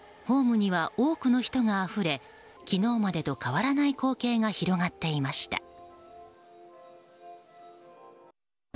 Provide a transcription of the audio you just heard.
ホームには多くの人があふれ昨日までと変わらない光景が広がっていました。